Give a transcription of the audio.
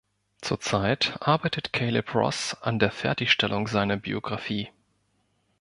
Zurzeit arbeitet Caleb Ross an der Fertigstellung seiner Biographie.